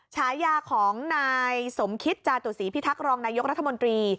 ฉายาของนายสมคิตจาตุศีพิทักษ์รองนายกรัฐมนตรี